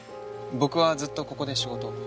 僕はずっとここで仕事を。